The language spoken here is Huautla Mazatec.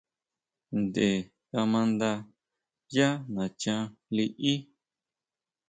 Ntʼe kama nda yá nachan liʼí.